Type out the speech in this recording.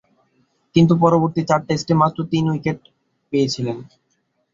কিন্তু পরবর্তী চার টেস্টে মাত্র তিন উইকেট পেয়েছিলেন।